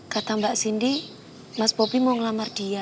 kata mbak sindi mas bobby mau ngelamar dia